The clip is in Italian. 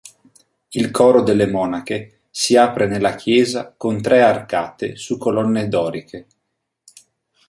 Il coro delle monache si apre nella chiesa con tre arcate su colonne doriche.